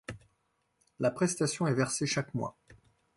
La prestation est versée chaque mois.